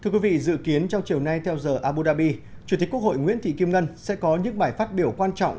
thưa quý vị dự kiến trong chiều nay theo giờ abu dhabi chủ tịch quốc hội nguyễn thị kim ngân sẽ có những bài phát biểu quan trọng